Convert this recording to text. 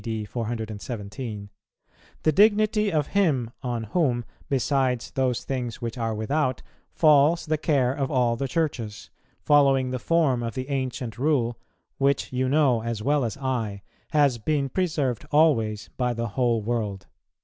D. 417), "the dignity of him on whom, beside those things which are without, falls the care of all the Churches; following the form of the ancient rule, which you know, as well as I, has been preserved always by the whole world."